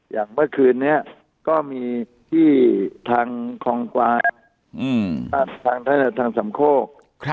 อย่างเมื่อคืนนี้ก็มีที่ทางคองกวาทางสำโคก